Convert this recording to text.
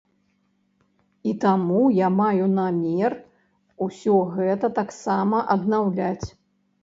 І таму я маю намер усё гэта таксама аднаўляць.